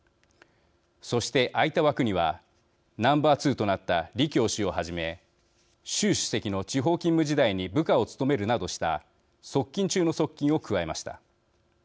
そして、空いた枠にはナンバーツーとなった李強氏をはじめ習主席の地方勤務時代に部下を務めるなどした側近中の側近を加えました。